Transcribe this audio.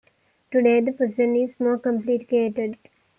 Today the position is more complicated.